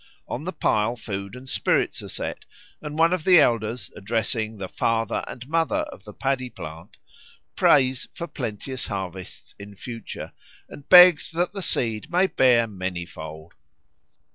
On the pile food and spirits are set, and one of the elders, addressing "the father and mother of the paddy plant," prays for plenteous harvests in future, and begs that the seed may bear many fold.